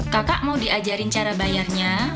kakak mau diajarin cara bayarnya